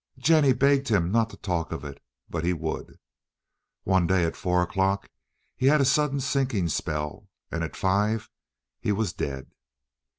Jennie begged him not to talk of it, but he would. One day at four o'clock he had a sudden sinking spell, and at five he was dead.